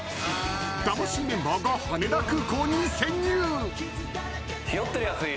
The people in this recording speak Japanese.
「魂」メンバーが羽田空港に潜入。